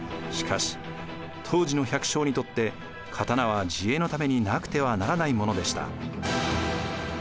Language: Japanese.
しかし当時の百姓にとって刀は自衛のためになくてはならないものでした。